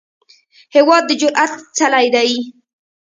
هېواد د جرئت څلی دی.